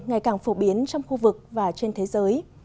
ngày càng phổ biến trong khu vực và trên thế giới